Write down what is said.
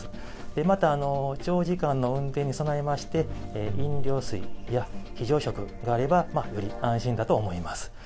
また、長時間の運転に備えまして、飲料水や非常食があれば、より安心かと思います。